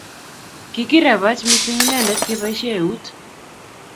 Kigirabach mising inendet kebaishe eut